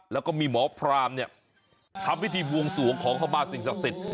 แล้วก็มีหมอพรามเนี่ยทำพิธีบวงสวงขอเข้ามาสิ่งศักดิ์สิทธิ์